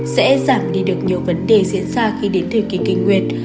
sẽ giảm đi được nhiều vấn đề diễn ra khi đến thời kỳ kinh nguyệt